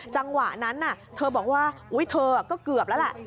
จังหวะนั้นเธอบอกว่าอุ๊ยเธอก็เกือบแล้วแหละ